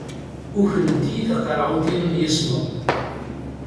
Ukrent-iyi taqerɛunt-inu n yismed!